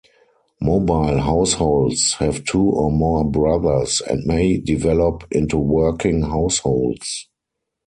Mobile Households have two or more Brothers, and may develop into Working Households.